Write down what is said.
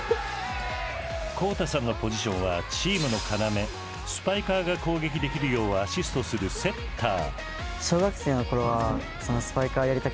孝汰さんのポジションはチームの要スパイカーが攻撃できるようアシストするセッター。